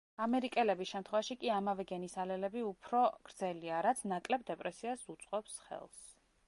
ამერიკელების შემთხვევაში კი ამავე გენის ალელები უფრო გრძელია, რაც ნაკლებ დეპრესიას უწყობს ხელს.